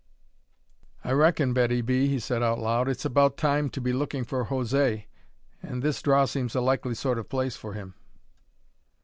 "I reckon, Betty B.," he said aloud, "it's about time to be looking for José, and this draw seems a likely sort of place for him."